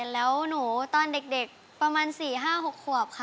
แล้วหนูตอนเด็กประมาณ๔๕๖ขวบค่ะ